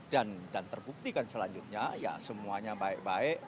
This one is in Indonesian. dan terbuktikan selanjutnya ya semuanya baik baik